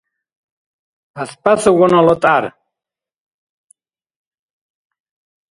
Пяспясагунала тӀяр